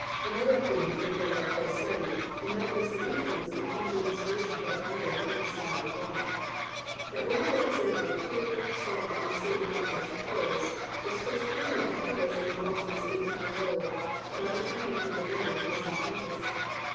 Another theme would well repay study, and that is the influence of the King James Version of the Bible up>on his style and thought. That wonderful example of pure, strong, and stately English prose, was first printed and published when Walton was eighteen years old, about the time he came to Lon don as an apprentice.